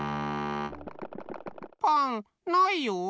パンないよ。